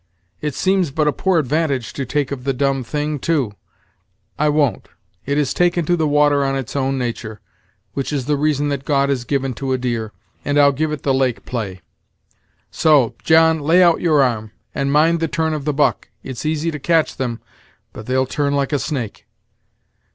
"It seems but a poor advantage to take of the dumb thing, too. I won't; it has taken to the water on its own natur', which is the reason that God has given to a deer, and I'll give it the lake play; so, John, lay out your arm, and mind the turn of the buck; it's easy to catch them, but they'll turn like a snake."